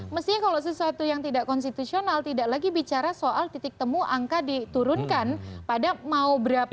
mestinya kalau sesuatu yang tidak konstitusional tidak lagi bicara soal titik temu angka diturunkan pada mau berapa